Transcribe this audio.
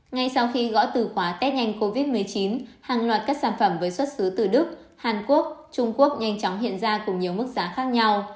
ngay sau khi gõ từ khóa tết nhanh covid một mươi chín hàng loạt các sản phẩm với xuất xứ từ đức hàn quốc trung quốc nhanh chóng hiện ra cùng nhiều mức giá khác nhau